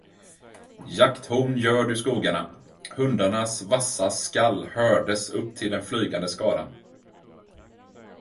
Jakthorn ljöd ur skogarna, hundarnas vassa skall hördes upp till den flygande skaran.